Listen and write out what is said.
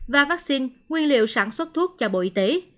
và vaccine nguyên liệu sản xuất thuốc cho bộ y tế